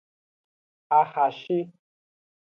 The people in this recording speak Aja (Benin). Ahashi.